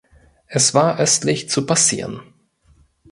Es war östlich zu passieren.